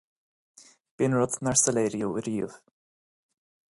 B'shin rud nár soiléiríodh riamh.